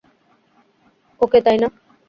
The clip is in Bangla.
ওকে তাই না?